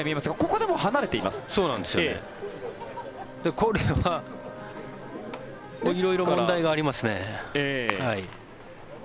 これは色々問題がありますね。